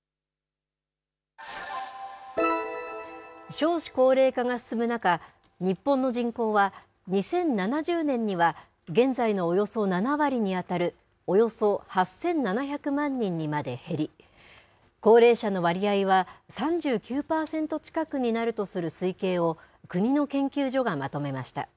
少子高齢化が進む中、日本の人口は２０７０年には現在のおよそ７割に当たる、およそ８７００万人にまで減り、高齢者の割合は、３９％近くになるとする推計を、国の研究所がまとめました。